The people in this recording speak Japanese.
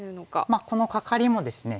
まあこのカカリもですね